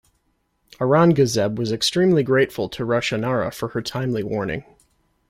Aurangazeb was extremely grateful to Roshanara for her timely warning.